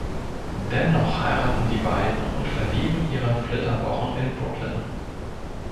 Dennoch heiraten die beiden und verleben ihre Flitterwochen in Brooklyn.